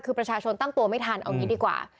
คือประชาชนตั้งตัวไม่ทันเอางี้ดีกว่า